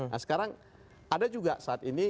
nah sekarang ada juga saat ini